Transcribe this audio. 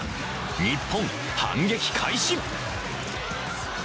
日本、反撃開始！